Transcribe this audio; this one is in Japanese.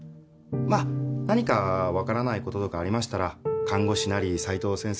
何か分からないことがありましたら看護師なり斉藤先生